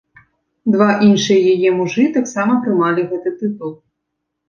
Два іншыя яе мужы таксама прымалі гэты тытул.